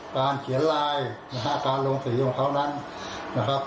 หากลงเสียวงเข้าคราวนั้น